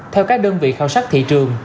theo các đơn vị khảo sát thị trường